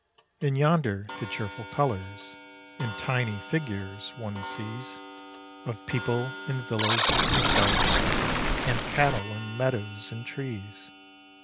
And yonder the cheerful colors, And tiny figures, one sees, Of people, and villas, and gardens, And cattle, and meadows, and trees.